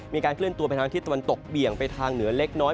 มีการเคลื่อนตัวไปทางที่ตะวันตกเบี่ยงไปทางเหนือเล็กน้อย